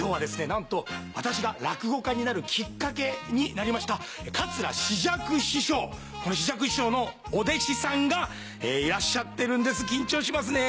なんと私が落語家になるきっかけになりました桂枝雀師匠この枝雀師匠のお弟子さんがいらっしゃってるんです緊張しますね。